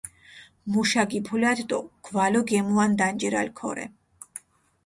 მუშა გიფულათ დო გვალო გემუან დანჯირალ ქორე.